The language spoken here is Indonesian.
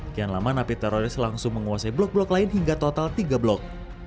kian lama napi teroris langsung menguasai blok blok lain hingga total tiga blok